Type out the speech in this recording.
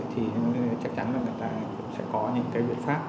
thì chắc chắn là người ta sẽ có những cái biện pháp